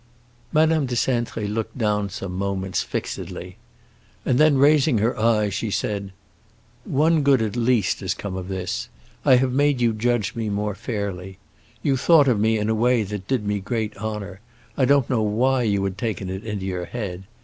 Madame de Cintré looked down some moments, fixedly; and then, raising her eyes, she said, "One good at least has come of this: I have made you judge me more fairly. You thought of me in a way that did me great honor; I don't know why you had taken it into your head.